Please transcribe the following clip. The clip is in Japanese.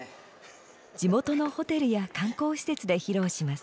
地元のホテルや観光施設で披露します。